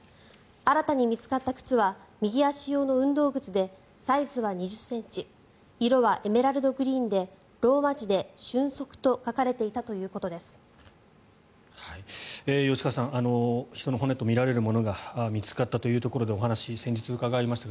新たに見つかった靴は右足用の運動靴でサイズは２０ｃｍ色はエメラルドグリーンでローマ字で「ＳＹＵＮＳＯＫＵ」と書かれていたということです。